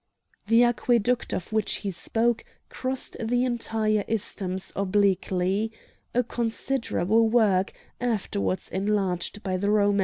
The aqueduct of which he spoke crossed the entire isthmus obliquely,—a considerable work, afterwards enlarged by the Romans.